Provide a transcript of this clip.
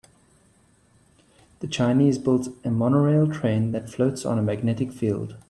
The Chinese built a monorail train that floats on a magnetic field.